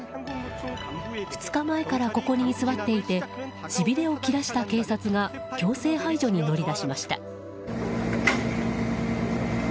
２日前から、ここに居座っていてしびれを切らした警察が強制排除に乗り出しました。